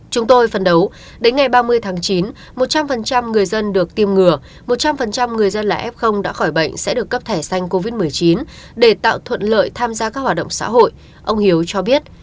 chúng tôi phấn đấu đến ngày ba mươi tháng chín một trăm linh người dân được tiêm ngừa một trăm linh người dân là f đã khỏi bệnh sẽ được cấp thẻ xanh covid một mươi chín để tạo thuận lợi tham gia các hoạt động xã hội ông hiếu cho biết